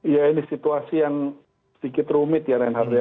ya ini situasi yang sedikit rumit ya ren hardaya